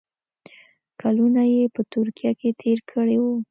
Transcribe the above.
کلونه یې په ترکیه کې تېر کړي وو.